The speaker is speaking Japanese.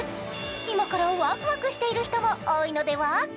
今からワクワクしている人も多いのでは？